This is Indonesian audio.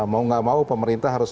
mau nggak mau pemerintah harus